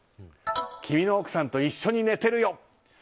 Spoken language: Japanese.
君の奥さんと一緒に寝ているよ。